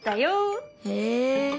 へえ。